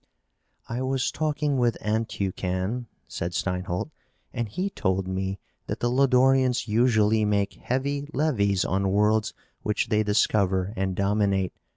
"I was talking with Anteucan," said Steinholt, "and he told me that the Lodorians usually make heavy levies on worlds which they discover and dominate.